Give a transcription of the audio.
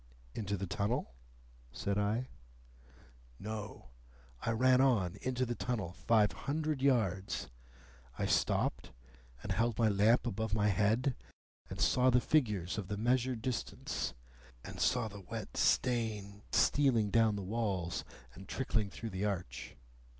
"Into the tunnel?" said I. "No. I ran on into the tunnel, five hundred yards. I stopped, and held my lamp above my head, and saw the figures of the measured distance, and saw the wet stains stealing down the walls and trickling through the arch.